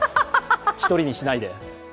１人にしないで。